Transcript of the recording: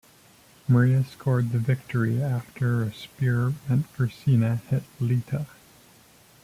Maria scored the victory after a spear meant for Cena hit Lita.